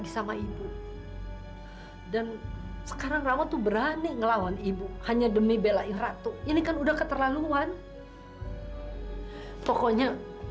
sampai jumpa di video selanjutnya